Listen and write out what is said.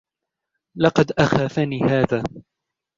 لقد أخافني هذا.